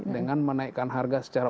dengan menaikkan harga secara